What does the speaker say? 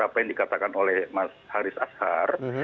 apa yang dikatakan oleh mas haris ashar